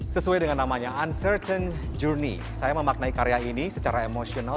sesuai dengan namanya uncertain journey saya memaknai karya ini secara emosional